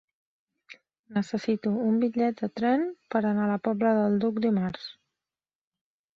Necessito un bitllet de tren per anar a la Pobla del Duc dimarts.